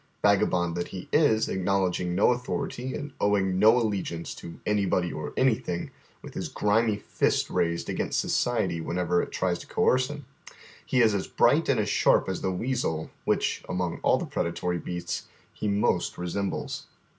Vagabond that he is, acknowledging no authority and owing no allegiance to anybody or anything, with his grimy fist raised against society whenever it tries to coerce him, he is as bright and sharp as the weasel, whicii, among all the predatory beasts, he most resembles.